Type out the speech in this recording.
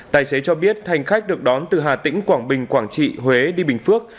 tài xế cho biết hành khách được đón từ hà tĩnh quảng bình quảng trị huế đi bình phước